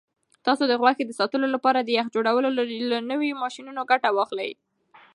تاسو د غوښې د ساتلو لپاره د یخ جوړولو له نویو ماشینونو ګټه واخلئ.